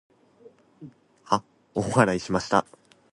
大笑いしました。